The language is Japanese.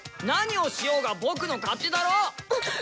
何をしようがボクの勝手だろ！